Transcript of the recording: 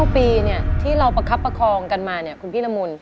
๙ปีที่เราประคับประคองกันมาคุณพี่ละมุน